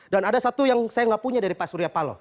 dan ada satu yang saya gak punya dari pak surya palo